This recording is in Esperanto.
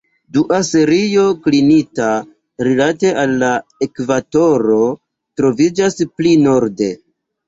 Dua serio, klinita rilate al la ekvatoro, troviĝas pli norde.